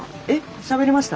しゃべりました？